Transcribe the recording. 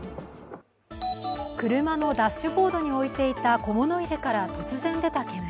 車のダッシュボードに置いていた小物から突然でた煙。